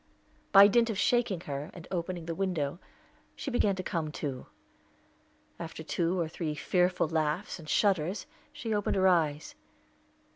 By dint of shaking her, and opening the window, she began to come to. After two or three fearful laughs and shudders, she opened her eyes.